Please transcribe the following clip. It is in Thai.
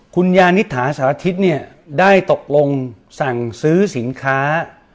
คุณยานิษฐาสารทิศเนี่ยได้ตกลงสั่งซื้อสินค้า